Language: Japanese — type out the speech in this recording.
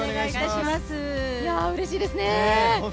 うれしいですね。